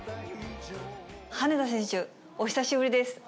羽根田選手、お久しぶりです。